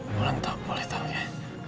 wulan tak boleh tahu ya